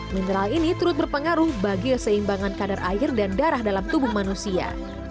mineral ini turut berpengaruh bagi keseimbangan kadar air dan darah dalam tubuh manusia